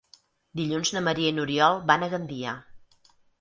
Dilluns na Maria i n'Oriol van a Gandia.